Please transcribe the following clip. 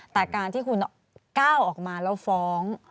แต่การที่คุณก้าวออกมาแล้วฟ้อง